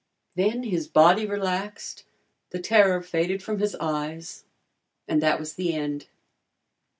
Then his body relaxed, the terror faded from his eyes, and that was the end.